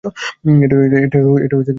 এটা চাইনিজ নববর্ষ!